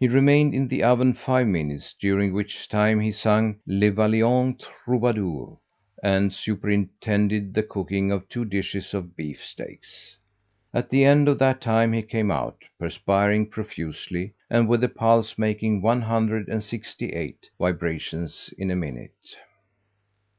He remained in the oven five minutes, during which time he sung Le Vaillant Troubadour, and superintended the cooking of two dishes of beef steaks. At the end of that time he came out, perspiring profusely, and with a pulse making one hundred and sixty eight vibrations in a minute.